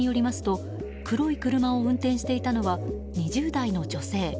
警察によりますと、黒い車を運転していたのは２０代の女性。